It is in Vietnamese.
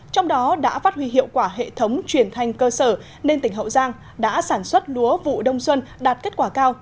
trong đó đã phát huy hiệu quả hệ thống truyền thanh cơ sở nên tỉnh hậu giang đã sản xuất lúa vụ đông xuân đạt kết quả cao